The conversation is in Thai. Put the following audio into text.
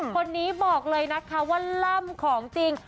คนนี้บอกเลยนะคะว่าล่ำของจริง